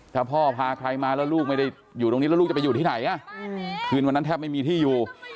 ถ้าพ่อพาใครมาแล้วลูกไม่ได้อยู่ตรงนี้แล้วลูกจะไปอยู่ที่ไหนคืนวันนั้นแทบไม่มีที่อยู่